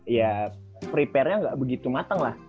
ya prepare nya gak begitu mateng lah